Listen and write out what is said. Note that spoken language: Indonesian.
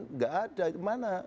tidak ada mana